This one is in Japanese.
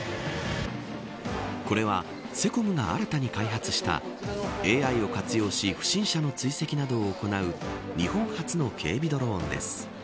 これはセコムが新たに開発したＡＩを活用し不審者の追跡などを行う日本初の警備ドローンです。